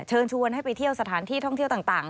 เชิญชวนให้ไปเที่ยวสถานที่ท่องเที่ยวต่าง